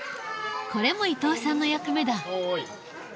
これも伊藤さんの役目だ。